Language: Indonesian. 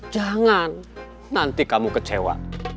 jangan nanti kamu kecewa